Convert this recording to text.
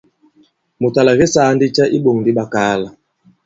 Mùt à làke saa ndi cɛ i iɓōŋ di ɓakaala ?